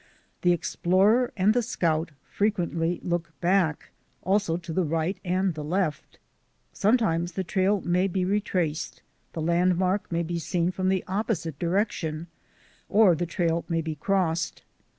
The explorer and the scout frequently look back, also to the right and to the left. Sometime the trail may be retraced, the landmark may be seen from the opposite direction, or the trail may be crossed.